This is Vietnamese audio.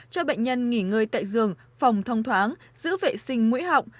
cho bệnh nhân nghỉ ngơi tại giường phòng thông thoáng giữ vệ sinh mũi họng